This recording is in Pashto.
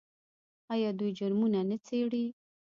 آیا دوی جرمونه نه څیړي؟